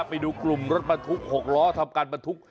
ไปดูกลุ่มรถบรรทุก๖ล้อทำการบรรทุก